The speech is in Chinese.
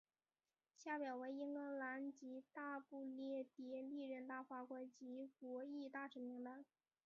下表为英格兰及大不列颠历任大法官及国玺大臣名单。